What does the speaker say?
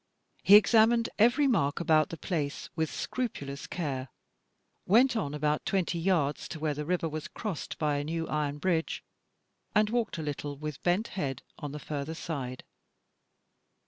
He examined every mark about the place with scrupulous care, went on about twenty yards to where the river was crossed by a new iron bridge, and walked a little with bent head on the further side.